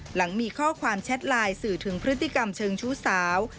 หลังมีข้อความแชทไลน์สื่อถึงพฤติกรรมเชิงชู้สาว